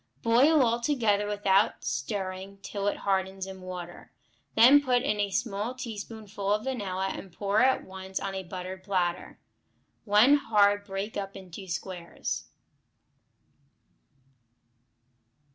Boil all together without stirring till it hardens in water; then put in a small teaspoonful of vanilla and pour at once on a buttered platter. When hard break up into squares.